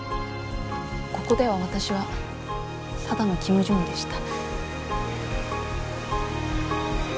ここでは私はただのキム・ジュニでした。